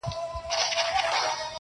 پرزولي یې شاهان او راجاګان وه،